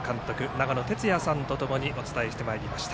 長野哲也さんと共にお伝えしてまいりました。